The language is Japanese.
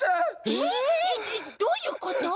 えっえっどういうこと？